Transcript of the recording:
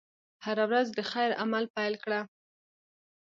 هره ورځ د خیر عمل پيل کړه.